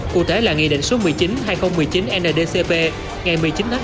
cụ thể là nghị định số một mươi chín hai nghìn một mươi chín ndcp ngày một mươi chín hai hai nghìn hai mươi